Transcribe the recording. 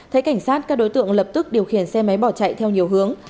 thấy cảnh sát các đối tượng lập tức điều khiển xe máy bỏ chạy theo nhiều hướng